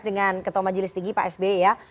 dengan ketua majelis tinggi pak sby ya